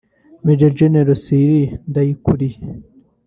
General Major Cyrille Ndayirukiye